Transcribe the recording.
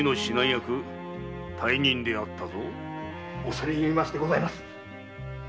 恐れ入りましてございます。